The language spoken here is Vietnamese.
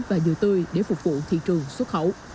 và dừa tươi để phục vụ thị trường xuất khẩu